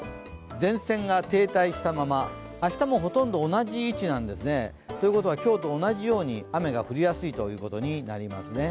前線が停滞したまま、明日もほとんど同じ位置なんですね。ということは今日と同じように雨が降りやすいということになりますね。